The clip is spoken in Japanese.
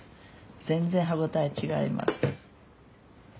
全然歯応え違います。